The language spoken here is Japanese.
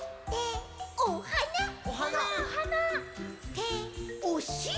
ておしり！